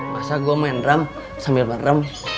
masa gue main drum sambil ber drum